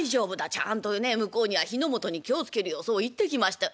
ちゃんと向こうには火の元に気を付けるようそう言ってきました。